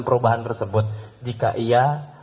perubahan tersebut jika iya